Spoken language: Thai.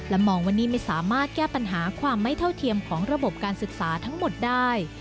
มองวันนี้ไม่สามารถแก้ปัญหาความไม่เท่าเทียมของระบบการศึกษาทั้งหมดได้